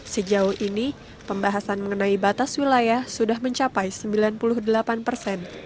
sejauh ini pembahasan mengenai batas wilayah sudah mencapai sembilan puluh delapan persen